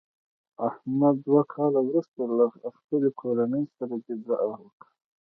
احمد دوه کاله ورسته له خپلې کورنۍ سره دیدار وکړ.